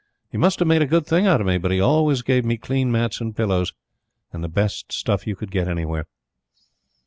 He must have made a good thing out of me, but he always gave me clean mats and pillows, and the best stuff you could get anywhere.